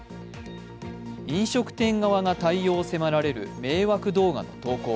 飲食店側が対応を迫られる迷惑動画の投稿。